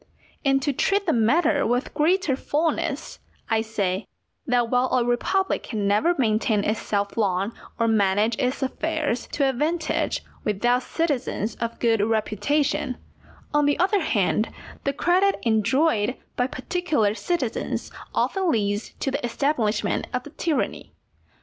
And to treat the matter with greater fulness, I say, that while a republic can never maintain itself long, or manage its affairs to advantage, without citizens of good reputation, on the other hand the credit enjoyed by particular citizens often leads to the establishment of a tyranny.